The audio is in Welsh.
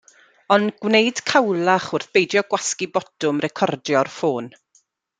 Ond gwneud cawlach wrth beidio gwasgu botwm recordio'r ffôn.